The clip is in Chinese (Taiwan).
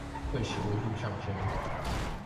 會使溫度上昇